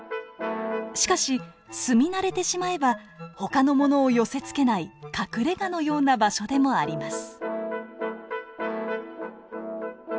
しかし住み慣れてしまえばほかの者を寄せつけない隠れがのような場所でもあります。